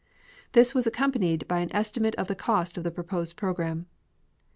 This was accompanied by an estimate of the cost of the proposed program.